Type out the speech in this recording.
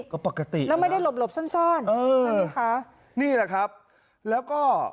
ก็ปกตินะครับเออนี่แหละครับแล้วก็